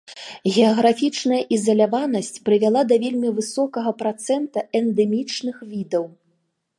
Геаграфічная ізаляванасць прывяла да вельмі высокага працэнта эндэмічных відаў.